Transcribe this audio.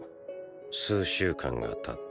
数週間が経った。